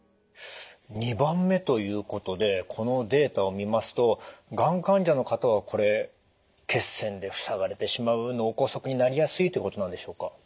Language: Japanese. ２番目ということでこのデータを見ますとがん患者の方はこれ血栓で塞がれてしまう脳梗塞になりやすいってことなんでしょうか？